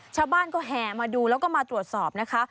ชาวบ้านก็แห่มาดูแล้วก็มาตรวจสอบนะคะ